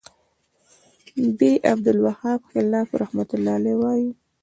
ب : عبدالوهاب خلاف رحمه الله وایی